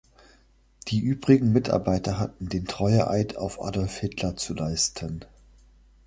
Die übrigen Mitarbeiter hatten den Treueeid auf Adolf Hitler zu leisten.